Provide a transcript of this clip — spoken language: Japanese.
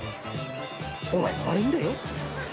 ［お前が悪いんだよ］